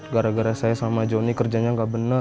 gara gara saya sama johnny kerjanya nggak benar